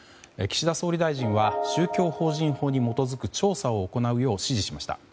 岸田総理大臣は宗教法人法に基づく調査を行うよう指示しました。